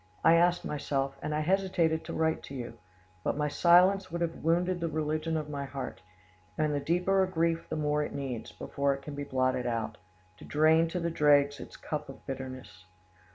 I asked myself, and I hesitated to write to you; but my silence would have wounded the religion of the heart; and the deeper a grief the more it needs, before it can be blotted out, to drain to the dregs its cup of bitterness.